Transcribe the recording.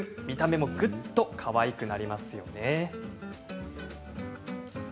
見た目も、ぐっとかわいくなりますよね。